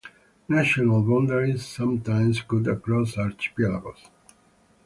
National boundaries sometimes cut across archipelagos.